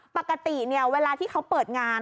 ปกติเวลาที่เขาเปิดงาน